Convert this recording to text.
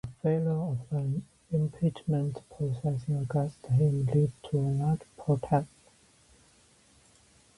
A failure of an impeachment proceeding against him led to a large protest.